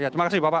terima kasih bapak